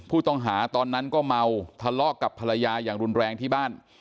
ผู้ต้องหาตอนนั้นก็เมาทะเลาะกับภรรยาอย่างรุนแรงที่บ้าน